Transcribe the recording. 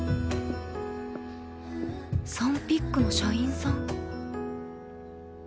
サンピックの社員さん？